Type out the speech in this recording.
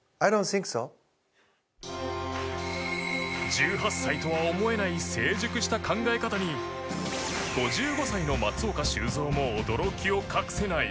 １８歳とは思えない成熟した考え方に５５歳の松岡修造も驚きを隠せない。